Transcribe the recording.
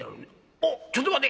あっちょっと待て。